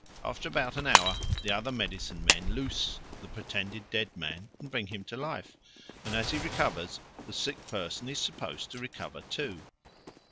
After about an hour the other medicine men loose the pretended dead man and bring him to life; and as he recovers, the sick person is supposed to recover too.